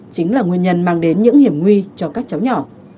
chính là nguyên nhân mang đến những hiểm nguy cho các cháu nhỏ